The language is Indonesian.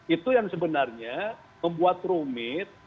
itu yang sebenarnya membuat rumit